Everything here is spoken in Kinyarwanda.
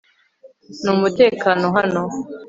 ni umutekano hano